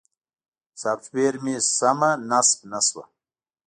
سافټویر مې سمه نصب نه شوه.